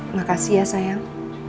makasih ya sayang